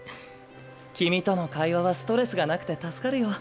君との会話はストレスがなくて助かるよ。